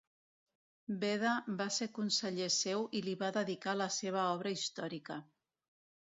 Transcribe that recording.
Beda va ser conseller seu i li va dedicar la seva obra històrica.